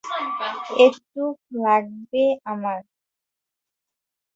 এটুকুই লাগবে আমার।